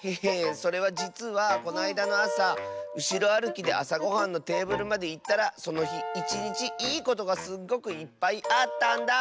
それはじつはこないだのあさうしろあるきであさごはんのテーブルまでいったらそのひいちにちいいことがすっごくいっぱいあったんだ。